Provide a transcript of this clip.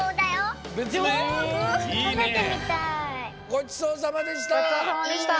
ごちそうさまでした！